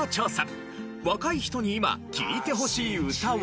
若い人に今聴いてほしい歌は？